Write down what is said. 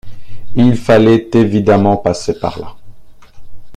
Il fallait évidemment passer par là.